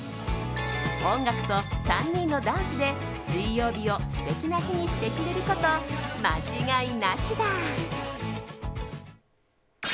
音楽と３人のダンスで水曜日を素敵な日にしてくれること間違いなしだ。